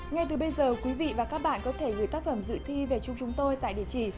ngay từ bây giờ quý vị và các bạn có thể gửi tác phẩm dự thi về chung chúng tôi tại địa chỉ